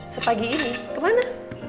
sepagi ini kemana